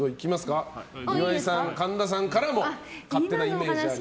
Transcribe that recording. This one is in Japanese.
岩井さん、神田さんからの勝手なイメージありますか。